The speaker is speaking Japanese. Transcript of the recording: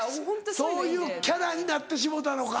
そういうキャラになってしもうたのか。